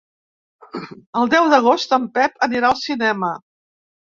El deu d'agost en Pep anirà al cinema.